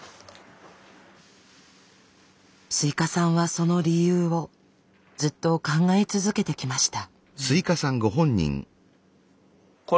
スイカさんはその理由をずっと考え続けてきました。